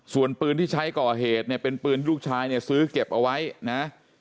ส่วนปืนที่ใช้ก่อเหตุเนี่ยเป็นปืนลูกชายเนี่ยซื้อเก็บเอาไว้นะ